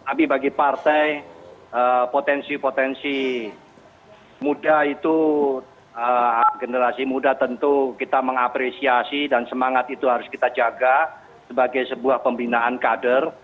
tapi bagi partai potensi potensi muda itu generasi muda tentu kita mengapresiasi dan semangat itu harus kita jaga sebagai sebuah pembinaan kader